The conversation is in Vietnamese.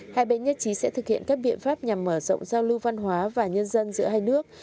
hai bên nhất trí sẽ thực hiện các biện pháp nhằm mở rộng giao lưu văn hóa và nhân dân giữa hai nước